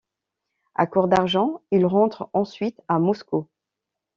À court d'argent, ils rentrent ensuite à Moscou.